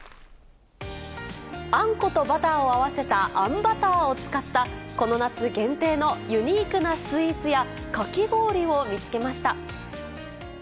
あんことバターを合わせたあんバターを使った、この夏限定のユニークなスイーツや、かき氷を見つけました。